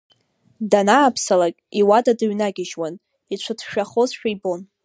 Данааԥсалак, иуада дыҩнагьыжьуан, ицәыҭшәахозшәа ибон.